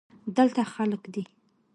دلته خلگ دی.